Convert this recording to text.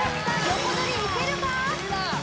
横取りいけるか？